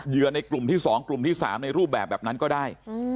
ในกลุ่มที่๒กลุ่มที่๓ในรูปแบบแบบนั้นก็ได้